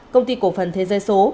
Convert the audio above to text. công ty cổ phần thế giới số